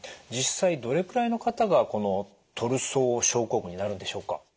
実際どれくらいの方がこのトルソー症候群になるんでしょうか？